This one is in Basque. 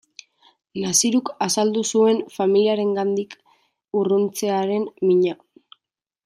Naziruk azaldu zuen familiarengandik urruntzearen mina.